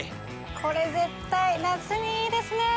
これ絶対夏にいいですね！